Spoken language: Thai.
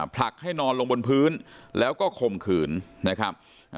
ผลักให้นอนลงบนพื้นแล้วก็ข่มขืนนะครับ